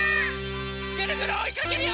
ぐるぐるおいかけるよ！